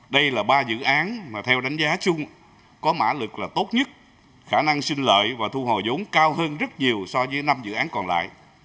đây là ba dự án mà theo đánh giá chung có mã lực là tốt nhất khả năng sinh lợi và thu hồi giống cao hơn rất nhiều so với năm dự án còn lại